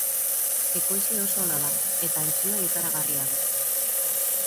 Ekoizle oso ona da, eta entzumen ikaragarria du.